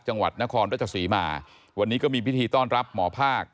จังหวัดนครราชสีมาวันนี้ก็มีพิธีต้อนรับหมอภาค